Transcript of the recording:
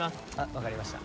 分かりました。